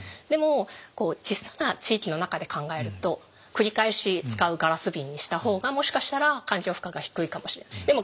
でも小さな地域の中で考えると繰り返し使うガラス瓶にした方がもしかしたら環境負荷が低いかもしれない。